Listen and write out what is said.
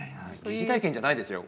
疑似体験じゃないですよ。